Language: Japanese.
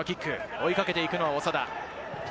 追いかけていくのは長田。